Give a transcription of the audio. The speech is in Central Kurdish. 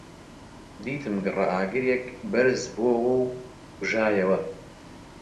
دیتم گڕەئاگرێک بەرز بۆوە و کوژایەوە